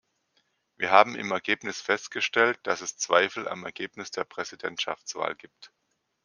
Wir haben im Ergebnis festgestellt, dass es Zweifel am Ergebnis der Präsidentschaftswahl gibt.